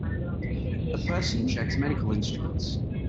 A person checks medical instruments.